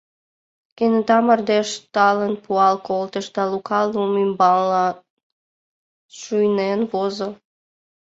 Кенета мардеж талын пуал колтыш, да Лука лум ӱмбалан шуйнен возо.